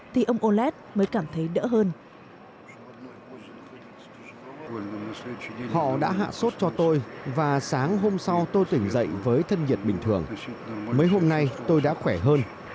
thì ông olet mới cảm thấy đỡ hơn